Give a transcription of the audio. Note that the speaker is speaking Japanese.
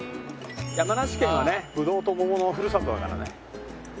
山梨県はねぶどうともものふるさとだからね。